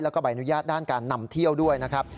แล้วก็ใบอนุญาตด้านการนำเที่ยวด้วยนะครับ